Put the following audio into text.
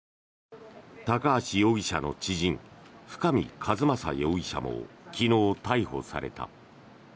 高橋容疑者の知人深見和政容疑者も昨日、逮捕された。